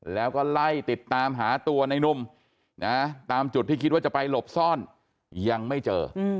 แล้วก็ไล่ติดตามหาตัวในนุ่มนะตามจุดที่คิดว่าจะไปหลบซ่อนยังไม่เจอ